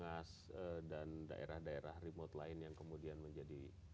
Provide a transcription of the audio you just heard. dinas dan daerah daerah remote lain yang kemudian menjadi